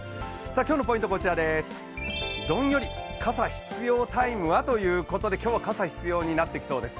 今日のポイントはこちらです、ドンヨリ傘必要ＴＩＭＥは、ということで今日は傘必要になってきそうです。